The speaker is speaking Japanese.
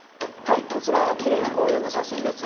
こちら、きれいな紅葉の写真です。